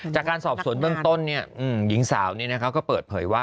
จากการสอบสวนเบื้องต้นหญิงสาวก็เปิดเผยว่า